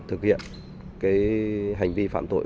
thực hiện cái hành vi phạm tội